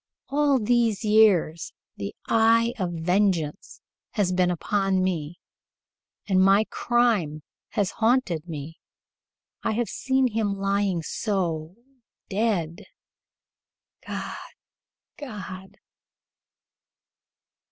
All these years the eye of vengeance has been upon me, and my crime has haunted me. I have seen him lying so dead. God! God!"